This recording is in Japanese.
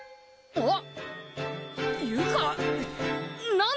あっ！